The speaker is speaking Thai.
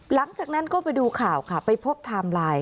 หลังจากนั้นก็ไปดูข่าวค่ะไปพบไทม์ไลน์